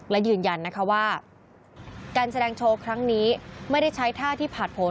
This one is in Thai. และยืนยันนะคะว่าการแสดงโชว์ครั้งนี้ไม่ได้ใช้ท่าที่ผ่านผล